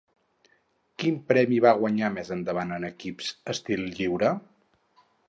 Quin premi va guanyar més endavant en equips estil lliure?